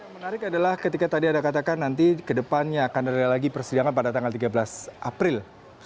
menarik adalah ketika tadi anda katakan nanti kedepannya akan ada lagi persidangan pada tanggal tiga belas april